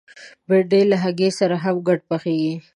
بېنډۍ له هګۍ سره هم ګډ پخېږي